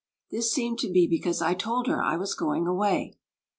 This seemed to be because I told her I was going away.